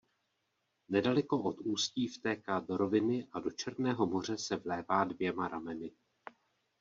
Nedaleko od ústí vtéká do roviny a do Černého moře se vlévá dvěma rameny.